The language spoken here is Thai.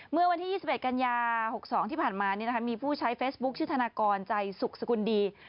เมื่อวันที่๒๑กันยา๖๒ที่ผ่านมามีผู้ใช้เฟซบุ๊คชื่อธนากรใจสุขสกุลดี